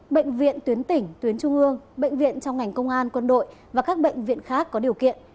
bệnh viện tuyến tỉnh tuyến trung ương bệnh viện trong ngành công an quân đội và các bệnh viện khác có điều kiện